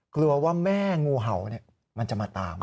กลัวว่าแม่งูเห่ามันจะมาตาม